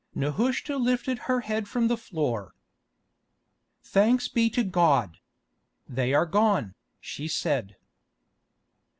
Nehushta lifted her head from the floor. "Thanks be to God! They are gone," she said.